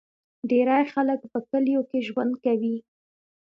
ډیری خلک په کلیو کې ژوند کوي.